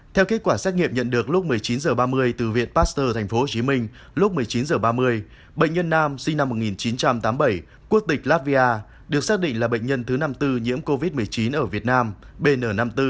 theo kết quả xét nghiệm nhận được lúc một mươi chín h ba mươi từ viện pasteur tp hcm lúc một mươi chín h ba mươi bệnh nhân nam sinh năm một nghìn chín trăm tám mươi bảy quốc tịch latvia được xác định là bệnh nhân thứ năm mươi bốn nhiễm covid một mươi chín ở việt nam bn năm mươi bốn